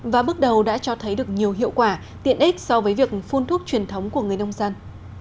và bước đầu đã cho thấy được nhiều hiệu quả tiện ích so với việc phun thuốc truyền thống của người nông dân